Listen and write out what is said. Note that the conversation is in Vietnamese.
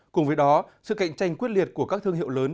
cùng với đó sự cạnh tranh quyết liệt của các thương hiệu lớn